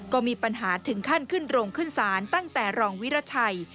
ก็มีปัญหาถึงขั้นขึ้นโรงขึ้นศาลตั้งแต่รองวิราชัย